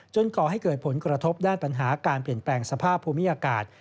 ก่อให้เกิดผลกระทบด้านปัญหาการเปลี่ยนแปลงสภาพภูมิอากาศ